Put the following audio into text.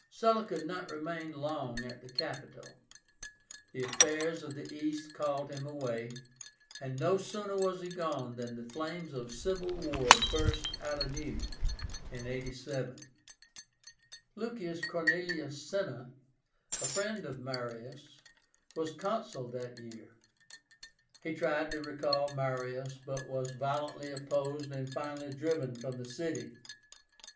Sulla could not remain long at the capital. The affairs of the East called him away; and no sooner was he gone than the flames of civil war burst out anew (87). LUCIUS CORNELIUS CINNA, a friend of Marius, was Consul that year. He tried to recall Marius, but was violently opposed and finally driven from the city.